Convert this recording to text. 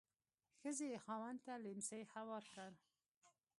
ښځې یې خاوند ته لیهمڅی هوار کړ.